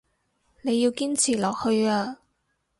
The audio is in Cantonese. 你要堅持落去啊